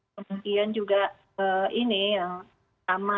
kemudian juga ini yang sama